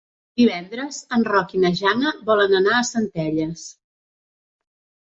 Divendres en Roc i na Jana volen anar a Centelles.